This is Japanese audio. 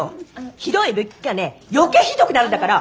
ひどいいびきがね余計ひどくなるんだから。